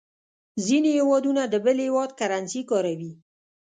ځینې هېوادونه د بل هېواد کرنسي کاروي.